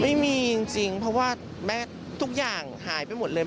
ไม่มีจริงเพราะว่าแม่ทุกอย่างหายไปหมดเลย